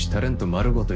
丸ごと